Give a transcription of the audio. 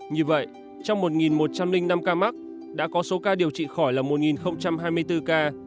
như vậy trong một một trăm linh năm ca mắc đã có số ca điều trị khỏi là một hai mươi bốn ca